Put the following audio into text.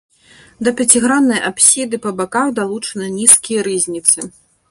Да пяціграннай апсіды па баках далучаны нізкія рызніцы.